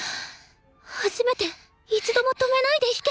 初めて一度も止めないで弾けた！